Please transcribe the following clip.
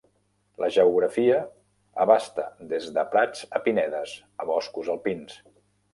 La geografia abasta des de prats a pinedes, a boscos alpins.